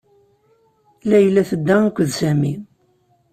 Layla tedda akked Sami.